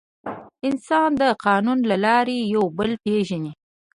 انسان د قانون له لارې یو بل پېژني.